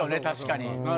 確かに。